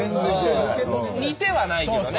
似てはないけどね。